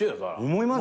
思います？